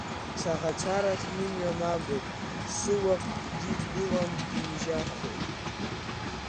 Саӷацәа рахь имҩа нагоуп, сыуак дидгылан дижьахуеит.